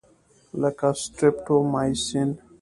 لکه سټریپټومایسین.